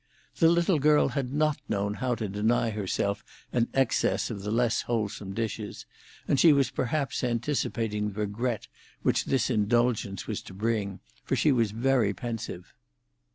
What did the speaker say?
The little girl had not known how to deny herself an excess of the less wholesome dishes, and she was perhaps anticipating the regret which this indulgence was to bring, for she was very pensive.